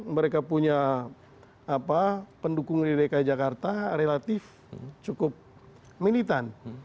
mereka punya pendukung lidl kaya jakarta relatif cukup militan